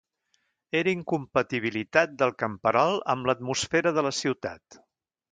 Era incompatibilitat del camperol amb l'atmosfera de la ciutat